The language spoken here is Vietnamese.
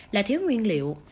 là thiếu nguyên liệu